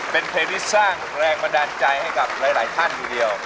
เป็นเพลงที่สร้างแรงบันดาลใจให้กับหลายท่านทีเดียว